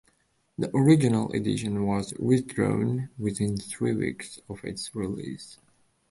The original edition was withdrawn within three weeks of its release.